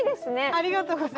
ありがとうございます。